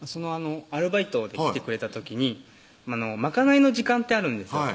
アルバイトで来てくれた時に賄いの時間ってあるんですよ